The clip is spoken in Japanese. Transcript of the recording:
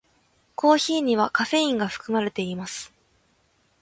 コーヒーにはカフェインが含まれています。